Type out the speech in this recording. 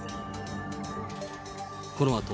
このあと、